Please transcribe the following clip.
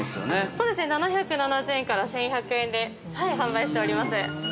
◆そうですね、７７０円から１１００円で販売しております。